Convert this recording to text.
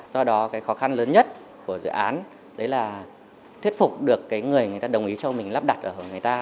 do đó cái khó khăn lớn nhất của dự án đấy là thuyết phục được cái người người ta đồng ý cho mình lắp đặt ở người ta